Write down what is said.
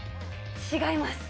違います。